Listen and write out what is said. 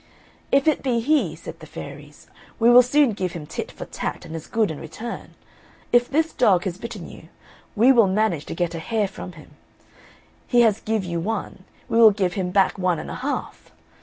"If it be he," said the fairies, "we will soon give him tit for tat and as good in return. If this dog has bitten you, we will manage to get a hair from him. He has give you one, we will give him back one and a half.